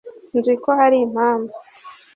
nzi ko hari impamvu